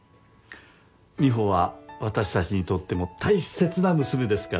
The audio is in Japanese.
美帆は私たちにとっても大切な娘ですから。